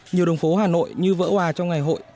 nhiều đồng phố hà nội như vỡ hoà trong ngày hội